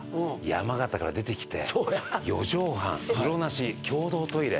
山形から出てきて四畳半風呂なし共同トイレ